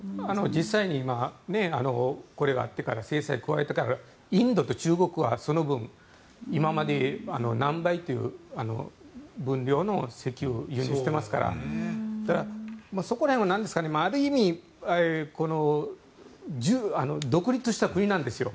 実際に今制裁を加えてからインドと中国はその分、今までの何倍という分量の石油を輸入していますからそこら辺は、ある意味独立した国なんですよ。